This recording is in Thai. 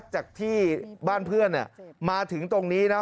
จากที่บ้านเพื่อนมาถึงตรงนี้นะ